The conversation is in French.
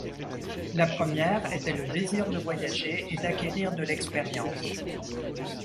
La première était le désir de voyager et d’acquérir de l’expérience.